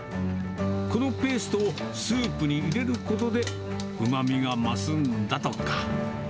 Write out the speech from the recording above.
このペーストをスープに入れることで、うまみが増すんだとか。